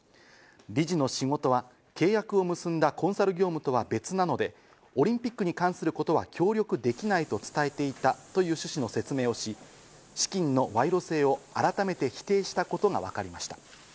理事の仕事は契約を結んだコンサル業務とは別なので、オリンピックに関することは協力できないと伝えていたという趣旨の説明をし、資金の賄賂性を改めて否定したことがわかりました。